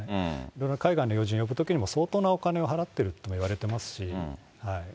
いろいろ海外の要人を呼ぶときも相当なお金を払ってるっていわれてますし。